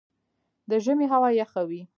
د ژمي هوا یخه وي